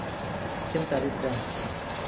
Kim tabibdan.